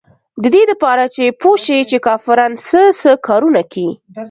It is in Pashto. د دې دپاره چې پوې شي چې کافران سه سه کارونه کيي.